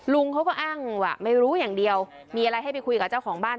ลุงเขาก็อ้างว่าไม่รู้อย่างเดียวมีอะไรให้ไปคุยกับเจ้าของบ้าน